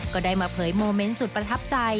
ก็ได้มาเผยโมเมนต์สุดประทับใจ